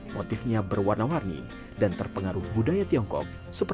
motifnya berwarna warni dan terpengaruh budaya tiongkok seperti lokchang dan burung hong